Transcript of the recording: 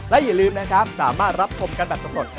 และอย่าลืมนะครับสามารถรับชมกันแบบสำรวจ